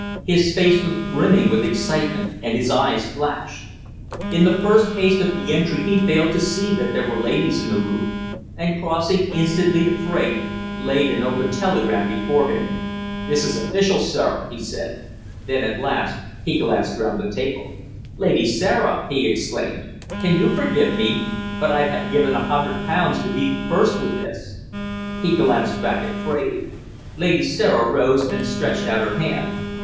His face was brimming with excitement, and his eyes flashed. In the first haste of the entry he failed to see that there were ladies in the room, And, crossing instantly to Fraide, laid an open telegram before him. "This is official, sir," he said. Then at last he glanced round the table. "Lady Sarah!" he exclaimed. "Can you forgive me? But I'd have given a hundred pounds to be the first with this!" He glanced back at Fraide. Lady Sarah rose and stretched out her hand.